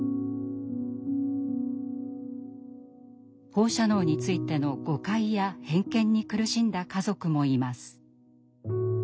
放射能についての誤解や偏見に苦しんだ家族もいます。